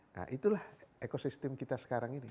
nah itulah ekosistem kita sekarang ini